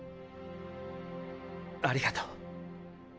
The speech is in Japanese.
ありがとう。